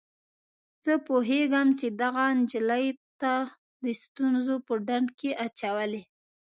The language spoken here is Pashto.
زه پوهیږم چي دغه نجلۍ تا د ستونزو په ډنډ کي اچولی.